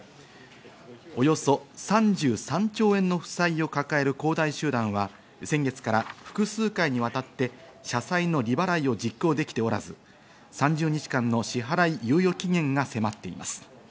およそ３３兆円の負債を抱える恒大集団は先月から複数回にわたって社債の利払いを実行できておらず、３０日間の支払い猶予期限が迫っています。